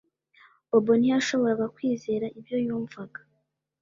Bobo ntiyashoboraga kwizera ibyo yumvaga